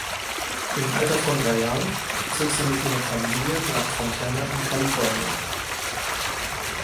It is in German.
Im Alter von drei Jahren zog sie mit ihrer Familie nach Fontana in Kalifornien.